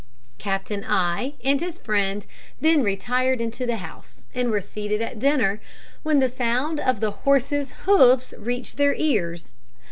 Captain I and his friend then retired into the house, and were seated at dinner, when the sound of horse's hoofs reached their ears.